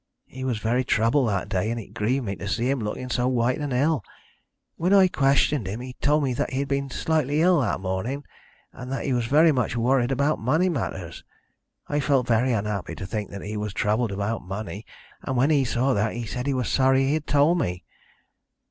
He was very troubled that day, and it grieved me to see him looking so white and ill. When I questioned him he told me that he had been slightly ill that morning, and that he was very much worried about money matters. I felt very unhappy to think that he was troubled about money, and when he saw that he said he was sorry he had told me.